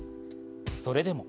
それでも。